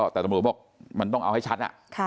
แต่ตำรวจบอกมันต้องเอาให้ชัด